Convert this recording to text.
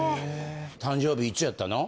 誕生日いつやったの？